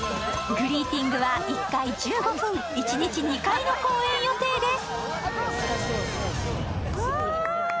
グリーティングは１回１５分、一日２回の公演予定です。